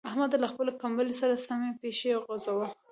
احمده! له خپلې کمبلې سره سمې پښې غځوه.